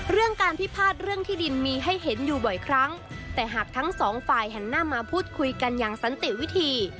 เรื่องการพิพาทเรื่องที่ดินมีให้เห็นอยู่บ่อยครั้งแต่หากทั้งสองฝ่ายหันหน้ามาพูดคุยกันอย่างสันติวิธี